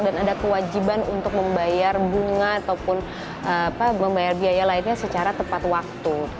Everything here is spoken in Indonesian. dan ada kewajiban untuk membayar bunga ataupun membayar biaya lainnya secara tepat waktu